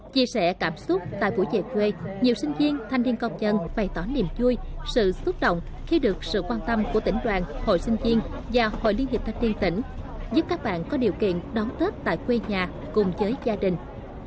chia sẻ cảm xúc tại buổi về quê nhiều sinh viên thanh niên công chân bày tỏ niềm vui sự xúc động khi được sự quan tâm của tỉnh đoàn hội sinh viên và hội liên hiệp thanh niên tỉnh giúp các bạn có điều kiện đón tết tại quê nhà cùng với gia đình